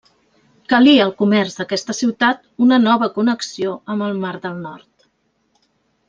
Calia al comerç d'aquesta ciutat una nova connexió amb el mar del Nord.